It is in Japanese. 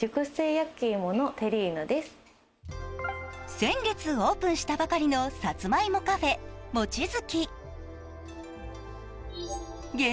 先月オープンしたばかりのさつまいもカフェ、望月。